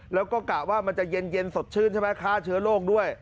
แล้วก็กะว่ามันจะเย็นสดชื่นใช่ไหมฆ่าเชื้อโรคด้วย